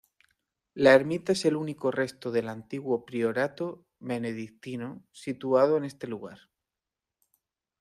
La ermita es el último resto del antiguo priorato benedictino situado en este lugar.